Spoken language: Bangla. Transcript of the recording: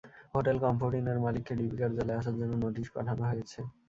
হোটেল কমফোর্ট ইন-এর মালিককে ডিবি কার্যালয়ে আসার জন্য নোটিশ পাঠানো হয়েছে।